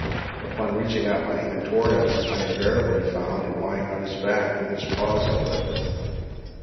Upon reaching out my hand toward him, I then invariably found him lying on his back, with his paws uplifted.